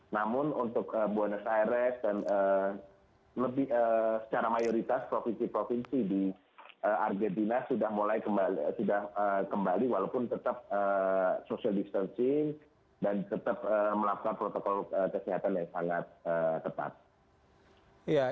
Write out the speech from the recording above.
namun untuk buenos aires dan secara mayoritas provinsi provinsi di argentina sudah kembali walaupun tetap social distancing dan tetap melakukan protokol kesehatan yang sangat ketat